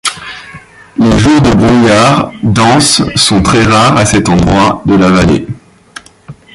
Les jours de brouillard dense sont très rares à cet endroit de la vallée.